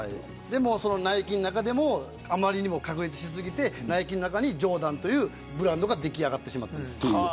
ナイキの中でもあまりにも確立しすぎてナイキの中にジョーダンというブランドが出来上がった。